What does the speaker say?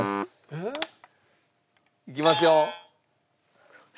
えっ？いきますよ。